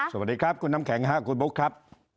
สวัสดีครับคุณน้ำแข็งค่ะคุณบุ๊คครับ